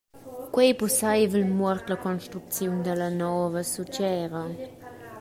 Quei ei pusseivel muort la construcziun dalla nova sutgera.